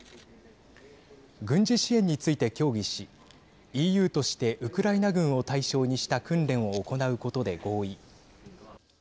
軍事支援について協議しＥＵとしてウクライナ軍を対象にした訓練を行うことで合意。